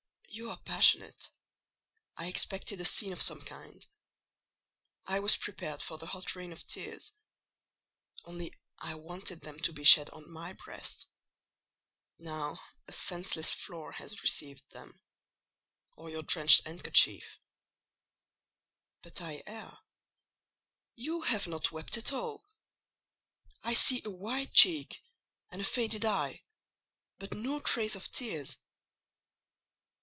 You are passionate: I expected a scene of some kind. I was prepared for the hot rain of tears; only I wanted them to be shed on my breast: now a senseless floor has received them, or your drenched handkerchief. But I err: you have not wept at all! I see a white cheek and a faded eye, but no trace of tears.